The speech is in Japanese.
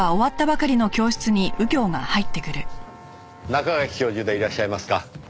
中垣教授でいらっしゃいますか？